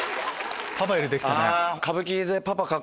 パパよりできたね。